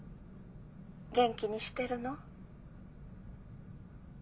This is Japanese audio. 元気にしてるの？